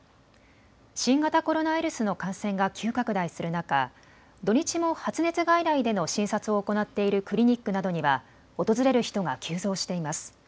新型コロナウイルスの感染が急拡大する中、土日も発熱外来での診察を行っているクリニックなどには訪れる人が急増しています。